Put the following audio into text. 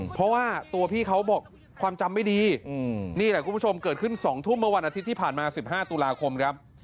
เพราะว่าตัวพี่เขาบอกความจำไม่ดีนี่แหละคุณผู้ชมเกิดขึ้น๒ทุ่มเมื่อวันอาทิตย์ที่ผ่านมา๑๕ตุลาคมครับ